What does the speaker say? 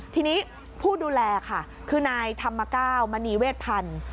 ทีนี้ผู้ดูแลค่ะคือนายธรรมก้าวมณีเวชพันธุ์